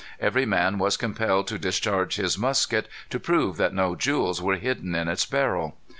Every man was compelled to discharge his musket to prove that no jewels were hidden in its barrel.